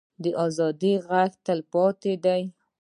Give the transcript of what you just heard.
د ازادۍ غږ تلپاتې دی